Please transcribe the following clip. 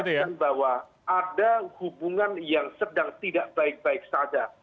jadi saya ingin mengucapkan bahwa ada hubungan yang sedang tidak baik baik saja